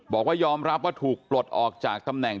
บอกว่ายอมรับว่าถูกปลดออกจากตำแหน่ง